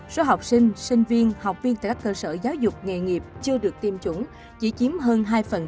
số học sinh sinh viên học viên tại các cơ sở giáo dục nghề nghiệp chưa được tiêm chủng chỉ chiếm hơn hai